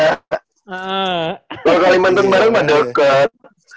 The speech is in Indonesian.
kalau kalimantan barat mah deket